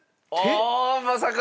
ああまさか！